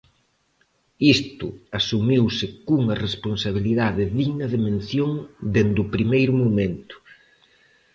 Isto asumiuse cunha responsabilidade digna de mención dende o primeiro momento.